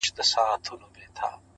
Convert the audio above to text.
نه چي اختر نمانځلی نه چي پسرلی نمانځلی-